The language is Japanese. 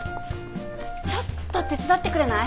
ちょっと手伝ってくれない？